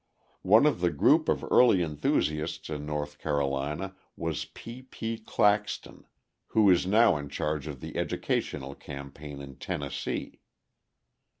One of the group of early enthusiasts in North Carolina was P. P. Claxton, who is now in charge of the educational campaign in Tennessee.